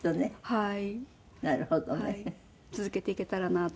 はい。